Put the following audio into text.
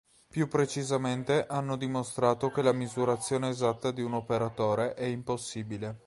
Più precisamente hanno dimostrato che la misurazione esatta di un operatore è impossibile.